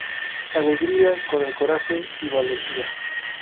Alegria, con el coraje y valentía...